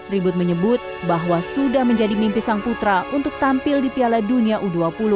ribut menyebut bahwa sudah menjadi mimpi sang putra untuk tampil di piala dunia u dua puluh